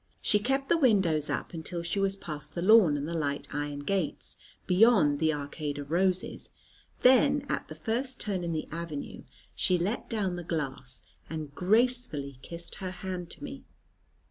She kept the windows up until she was past the lawn and the light iron gates, beyond the arcade of roses; then, at the first turn in the avenue, she let down the glass and gracefully kissed her hand to me.